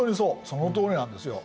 そのとおりなんですよ。